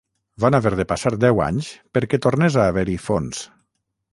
Van haver de passar deu anys perquè tornés a haver-hi fons.